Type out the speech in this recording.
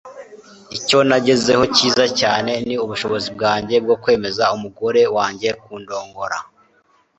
Icyo nagezeho cyiza cyane ni ubushobozi bwanjye bwo kwemeza umugore wanjye kundongora.”